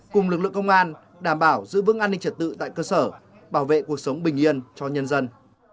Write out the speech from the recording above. cùng lực lượng công an đảm bảo giữ vững an ninh trật tự tại cơ sở bảo vệ cuộc sống bình yên cho nhân dân